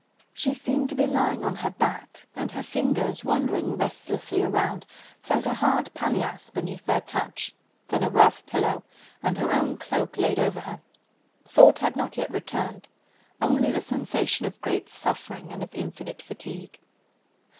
She seemed to be lying on her back, and her fingers wandering restlessly around felt a hard paillasse, beneath their touch, then a rough pillow, and her own cloak laid over her: thought had not yet returned, only the sensation of great suffering and of infinite fatigue.